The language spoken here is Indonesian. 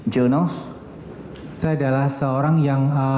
saya adalah seorang yang